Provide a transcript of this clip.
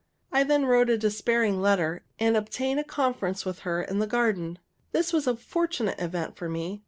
I then wrote a despairing letter, and obtained a conference with her in the garden. This was a fortunate event for me.